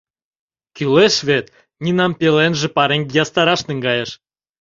Кӱлеш вет, Нинам пеленже пареҥге ястараш наҥгайыш.